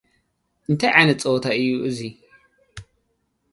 እንታይ ዓይነት ጸወታ እዩ'ዚ?